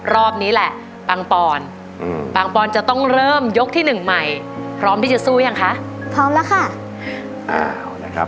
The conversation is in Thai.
รอบนี้แหละปังปอนปังปอนจะต้องเริ่มยกที่หนึ่งใหม่พร้อมที่จะสู้ยังคะพร้อมแล้วค่ะ